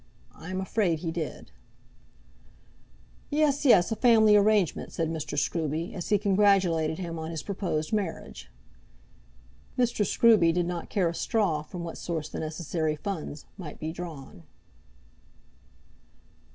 I am afraid he did. "Yes, yes; a family arrangement," said Mr. Scruby, as he congratulated him on his proposed marriage. Mr. Scruby did not care a straw from what source the necessary funds might be drawn.